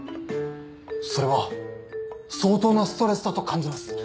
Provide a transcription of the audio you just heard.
それは相当なストレスだと感じます。